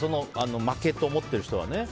負けと思っている人はね。